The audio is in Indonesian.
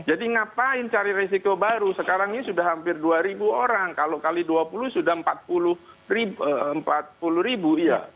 jadi ngapain cari risiko baru sekarang ini sudah hampir dua ribu orang kalau kali dua puluh sudah empat puluh ribu